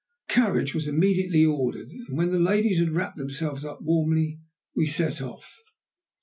A carriage was immediately ordered, and when the ladies had wrapped themselves up warmly we set off.